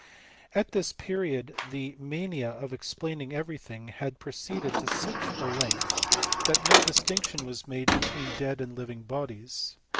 At this period the mania of explaining every thing had proceeded to such a length, that no distinctioa was made between dead and living bodies.